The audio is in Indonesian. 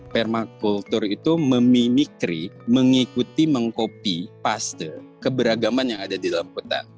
permakultur itu memimikri mengikuti mengkopi paste keberagaman yang ada di dalam kota